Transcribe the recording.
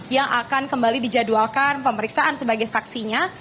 yang akan kembali dijadwalkan pemeriksaan sebagai saksinya